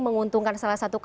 menguntungkan salah satu negara